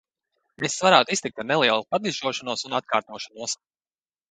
Es varētu iztikt ar nelielu padižošanos un atkārtošanos.